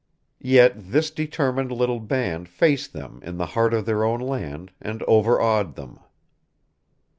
Yet this determined little band faced them in the heart of their own land, and overawed them.